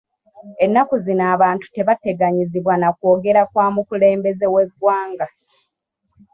Ennaku zino abantu tebateganyizibwa na kwogera kwa mukulembeze w'eggwanga.